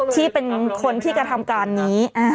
ที่เป็นคนที่กระทำการนี้